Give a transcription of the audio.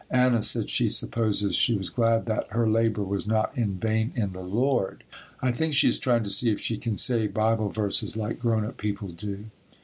Anna said she supposes she was glad that "her labor was not in vain in the Lord." I think she is trying to see if she can say Bible verses, like grown up people do.